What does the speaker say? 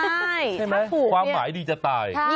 ใช่ไหมความหมายดีจะตาย